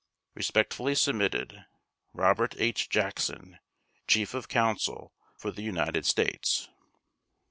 Respectfully submitted, /s/ ROBERT H. JACKSON, Chief of Counsel for the United States.